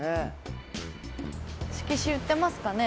色紙売ってますかね？